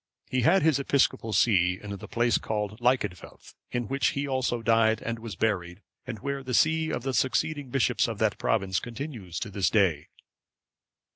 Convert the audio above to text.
He had his episcopal see in the place called Lyccidfelth,(547) in which he also died, and was buried, and where the see of the succeeding bishops of that province continues to this day.